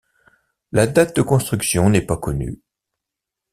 La date de construction n'est pas connue.